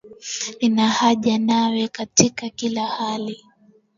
Nina haja nawe katika kila hali.